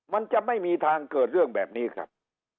มันจะไม่มีทางเกิดเรื่องแบบนี้ครับ